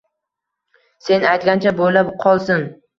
Sen aytgancha bo`la qolsin